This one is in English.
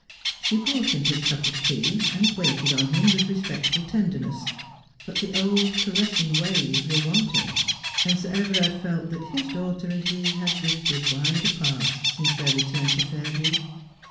She brought him his cup of tea, and waited on him with respect ful tenderness ; but the old caressing ways were wanting, and Sir Everard felt that his daughter and he had drifted wide apart since their return to Fairview.